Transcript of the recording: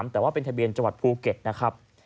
แต่ว่าเป็นทะเบียนจังหวัดภูเก็ตนะครับ